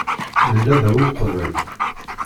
Nella da uqbel.